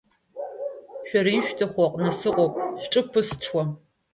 Шәара ишәҭаху аҟны сыҟоуп, шәҿы ԥысҽуам!